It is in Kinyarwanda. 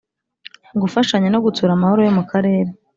gufashanya no gutsura amahoro yo mu karere.